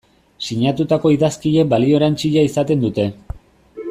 Sinatutako idazkiek balio erantsia izaten dute.